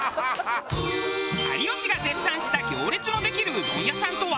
有吉が絶賛した行列のできるうどん屋さんとは？